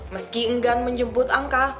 meski enggan menjemput angka